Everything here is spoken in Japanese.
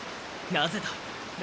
なぜだ？